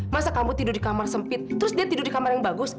masa kamu tidur di kamar sempit terus dia tidur di kamar yang bagus